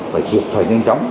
phải kiệp thời nhanh chóng